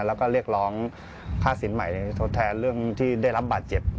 แล้วก็เรียกร้องค่าสินใหม่ทดแทนเรื่องที่ได้รับบาดเจ็บ